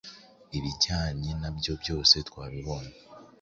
ibijyanye nabyo byose twabibonye